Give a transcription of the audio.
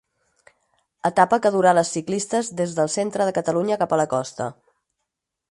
Etapa que durà les ciclistes des del centre de Catalunya cap a la costa.